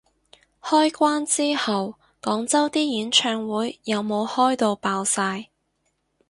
開關之後廣州啲演唱會有冇開到爆晒